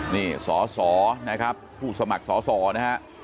นี่สสนะครับผู้สมัครสอสอนะฮะ